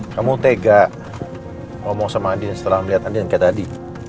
kamu tega ngomong sama andien setelah melihat andien kayak tadi